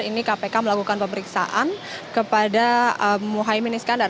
ini kpk melakukan pemeriksaan kepada muhaymin iskandar